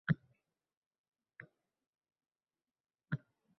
oddiy so‘zlar bilan – ko‘pchilikka tushunarli bo‘lgan tarzda aytib tashladi.